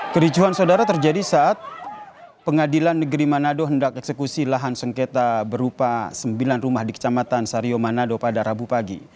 kericuhan saudara terjadi saat pengadilan negeri manado hendak eksekusi lahan sengketa berupa sembilan rumah di kecamatan sario manado pada rabu pagi